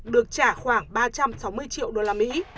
được trả khoảng ba trăm sáu mươi triệu đô la mỹ